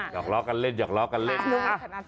หยอกเลาะกันเล่น